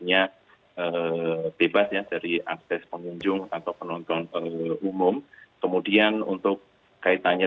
yang sudah di perencanaan dan sebagainya